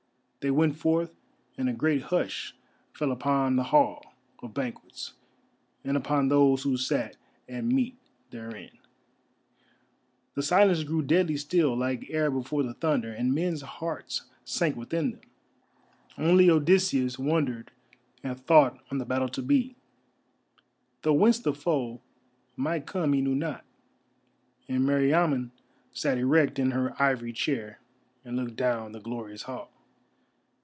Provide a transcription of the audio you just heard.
They went forth, and a great hush fell again upon the Hall of Banquets and upon those who sat at meat therein. The silence grew deadly still, like air before the thunder, and men's hearts sank within them, and turned to water in their breasts. Only Odysseus wondered and thought on the battle to be, though whence the foe might come he knew not, and Meriamun sat erect in her ivory chair and looked down the glorious hall.